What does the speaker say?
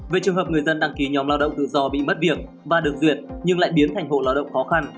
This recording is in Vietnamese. về trường hợp người dân đăng ký nhóm lao động tự do bị mất việc và được duyệt nhưng lại biến thành hộ lao động khó khăn